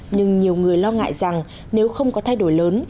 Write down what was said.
nhưng nhiều người lo ngại rằng nếu không có thay đổi lớn